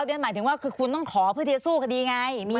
หมายถึงว่าคือคุณต้องขอเพื่อที่จะสู้คดีไง